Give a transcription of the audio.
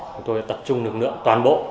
chúng tôi đã tập trung lực lượng toàn bộ